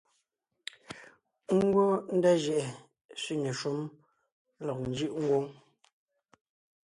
Ngwɔ́ ndá jʉʼɛ sẅiŋe shúm lɔg njʉʼ ngwóŋ;